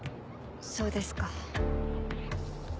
そうですか。